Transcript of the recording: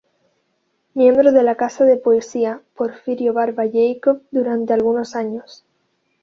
Miembro de la Casa de Poesía "Porfirio Barba Jacob" durante algunos años.